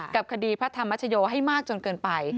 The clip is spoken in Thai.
กับคดีพระธรรมชโยให้มากจนเกินไป